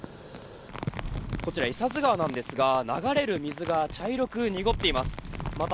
こちら伊佐津川なんですが流れる水が茶色く濁っています。